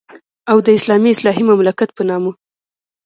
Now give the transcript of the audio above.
او د اسلامي اصلاحي مملکت په نامه.